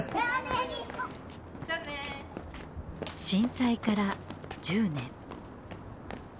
震災から１０年。